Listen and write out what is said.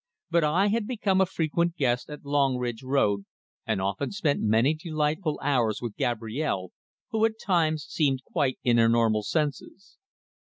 But I had become a frequent guest at Longridge Road, and often spent many delightful hours with Gabrielle, who at times seemed quite in her normal senses.